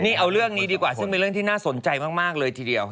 นี่เอาเรื่องนี้ดีกว่าซึ่งเป็นเรื่องที่น่าสนใจมากเลยทีเดียว